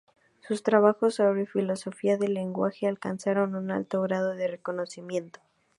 Sus trabajos sobre filosofía del lenguaje alcanzaron un alto grado de reconocimiento.